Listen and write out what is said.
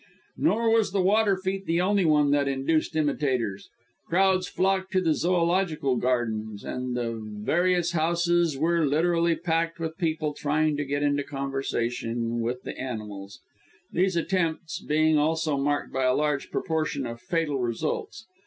Nor was the water feat the only one that induced imitators. Crowds flocked to the Zoological Gardens, and the various houses were literally packed with people trying to get into conversation with the animals; these attempts being also marked by a large proportion of fatal results.